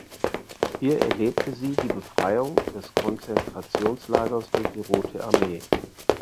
Hier erlebte sie die Befreiung des Konzentrationslagers durch die Rote Armee.